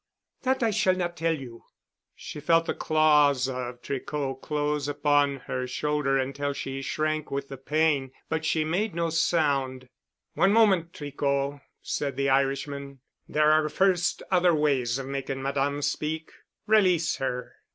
"That I shall not tell you." She felt the claws of Tricot close upon her shoulder until she shrank with the pain, but she made no sound. "One moment, Tricot," said the Irishman, "there are first other ways of making Madame speak. Release her."